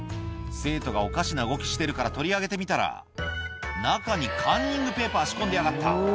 「生徒がおかしな動きしてるから取り上げてみたら中にカンニングペーパー仕込んでやがった」